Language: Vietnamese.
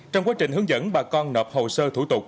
trong quá trình hướng dẫn bà con nộp hồ sơ thủ tục